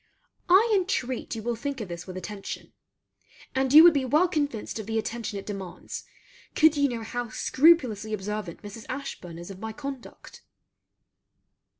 I intreat you will think of this with attention; and you would be well convinced of the attention it demands, could you know how scrupulously observant Mrs. Ashburn is of my conduct.